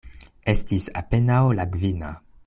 Estis apenaŭ la kvina.